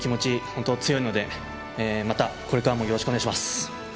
本当、強いのでまたこれからもよろしくお願いします。